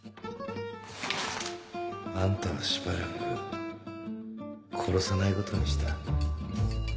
あんたはしばらく殺さないことにした